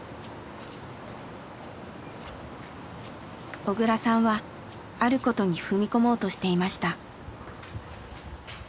小倉さんはあることに踏み込もうとしていました。